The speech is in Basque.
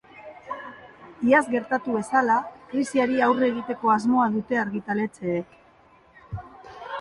Iaz gertatu bezala, krisiari aurre egiteko asmoa dute argitaletxeek.